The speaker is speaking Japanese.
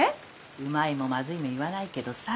うまいもまずいも言わないけどさ。